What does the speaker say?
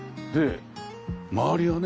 周りがね